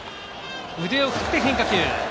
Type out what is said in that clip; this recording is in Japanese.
腕を振って変化球。